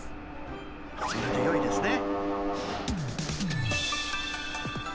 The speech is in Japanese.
それでよいですね！